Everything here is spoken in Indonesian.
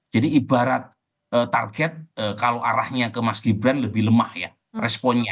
jadi ibarat target kalau arahnya ke mas gibran lebih lemah ya responnya